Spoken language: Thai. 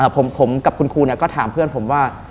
ผมกับคุณครูก็ถามเพื่อนผมว่า